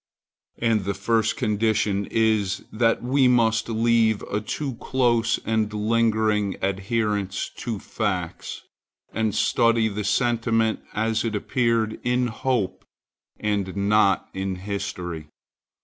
And the first condition is, that we must leave a too close and lingering adherence to facts, and study the sentiment as it appeared in hope and not in history.